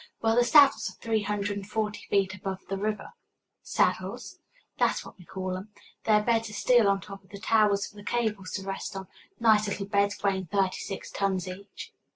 "Well, the saddles are three hundred and forty feet above the river." "Saddles?" "That's what we call 'em. They're beds of steel on top of the towers for the cables to rest on nice little beds weighing thirty six tons each."